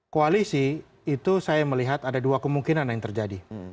koalisi itu saya melihat ada dua kemungkinan yang terjadi